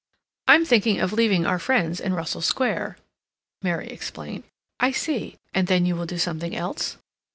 "I'm thinking of leaving our friends in Russell Square," Mary explained. "I see. And then you will do something else."